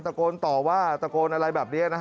ตะโกนต่อว่าตะโกนอะไรแบบนี้นะฮะ